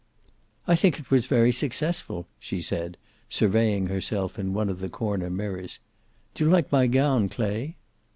"I think it was very successful," she said, surveying herself in one of the corner mirrors. "Do you like my gown, Clay?"